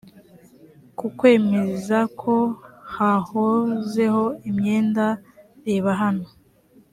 ku kwemeza ko hahozeho imyenda reba hano